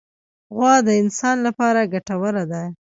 غوا د انسان لپاره ګټوره ده.